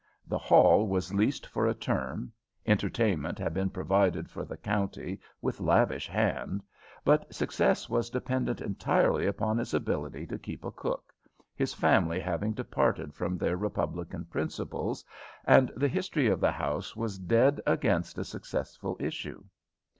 The hall was leased for a term, entertainment had been provided for the county with lavish hand; but success was dependent entirely upon his ability to keep a cook, his family having departed from their republican principles, and the history of the house was dead against a successful issue.